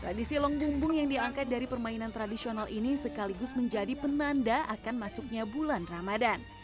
tradisi long bumbung yang diangkat dari permainan tradisional ini sekaligus menjadi penanda akan masuknya bulan ramadan